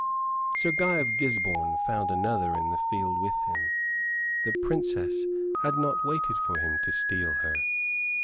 Sir Guy of Gisborne found another in the field with him; the Princess had not waited for him to steal her.